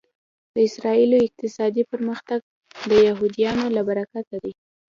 د اسرایلو اقتصادي پرمختګ د یهودیانو له برکته دی